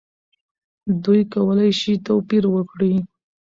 دوی کولی شي توپیر وکړي.